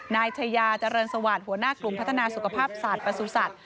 นายเทยาเจริญสวรรค์หัวหน้ากลุ่มพัฒนาสุขภาพศาสตร์ประสูจน์สัตว์